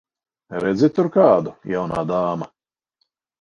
Redzi tur kādu, jaunā dāma?